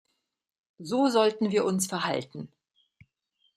So sollten wir uns verhalten.